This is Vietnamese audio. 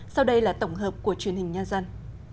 sau đây là tổng hợp của truyền hình nhân dân